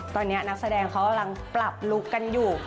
ตอนนี้นักแสดงเขากำลังปรับลุคกันอยู่